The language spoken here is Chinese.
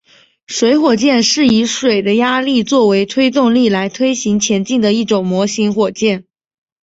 水火箭是以水的压力作为推动力来推动前进的一种模型火箭。